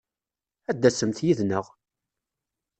Ad d-tasemt yid-neɣ!